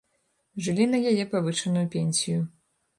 Жылі на яе павышаную пенсію.